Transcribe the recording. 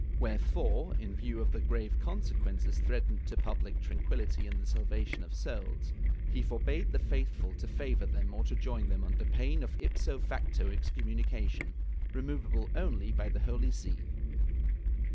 Wherefore, in view of the grave consequences threatened to public tranquility and the salvation of souls, he forbade the faithful to favor them or to join them under pain of ij)SO facto excommunication, removable only by the Holy See.